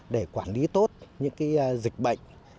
để quản lý tốt những dịch bệnh